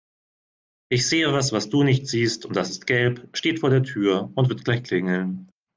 Ich sehe was, was du nicht siehst und das ist gelb, steht vor der Tür und wird gleich klingeln.